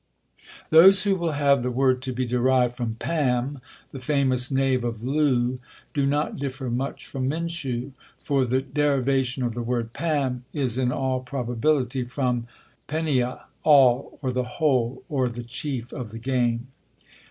'" Those who will have the word to be derived from PAM, the famous knave of LOO, do not differ much from Minshew; for the derivation of the word Pam is in all probability from [Greek: pan], all; or the whole or the chief of the game.